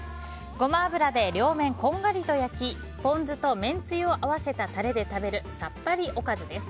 ゴマ油で両面こんがりと焼きポン酢とめんつゆを合わせたタレで食べるさっぱりおかずです。